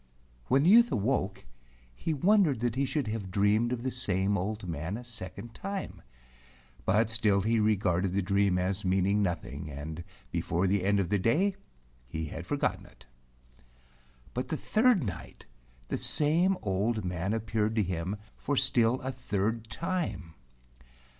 When the youth awoke, he wondered that he should have dreamed of the same old man a second time, but still he regarded the dream as meaning nothing, and before the end of the day he had forgotten it. But the third night the same old man appeared to him for still a third time.